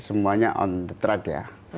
semuanya on the track ya